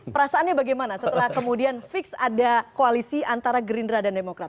perasaannya bagaimana setelah kemudian fix ada koalisi antara gerindra dan demokrat